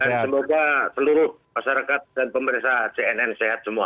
dan semoga seluruh masyarakat dan pemerintah cnn sehat semua